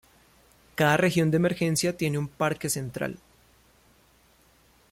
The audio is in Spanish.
Cada región de emergencia tiene un parque central.